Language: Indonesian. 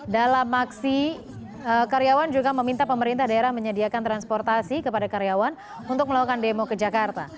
dalam aksi karyawan juga meminta pemerintah daerah menyediakan transportasi kepada karyawan untuk melakukan demo ke jakarta